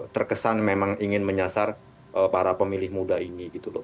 terkesan memang ingin menyasar para pemilih muda ini gitu loh